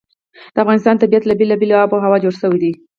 د افغانستان طبیعت له بېلابېلې آب وهوا جوړ شوی دی.